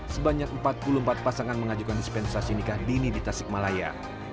sebanyak empat puluh empat pasangan mengajukan dispensasi nikah dini di tasikmalaya